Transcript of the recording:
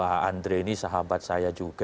apalagi tadi pak andre ini sahabat saya juga